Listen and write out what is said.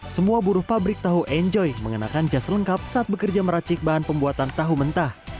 semua buruh pabrik tahu enjoy mengenakan jas lengkap saat bekerja meracik bahan pembuatan tahu mentah